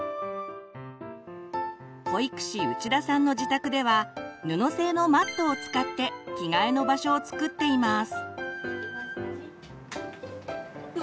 保育士内田さんの自宅では布製のマットを使って「着替えの場所」を作っています。